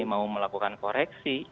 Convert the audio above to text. kami mau melakukan koreksi